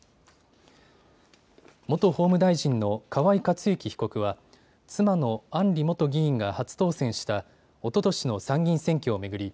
元法務大臣の河井克行被告は妻の安里元議員が初当選したおととしの参議院選挙を巡り